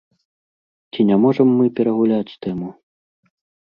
Ці не можам мы перагуляць тэму?